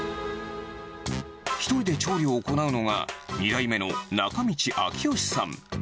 １人で調理を行うのが、２代目の中道明義さん。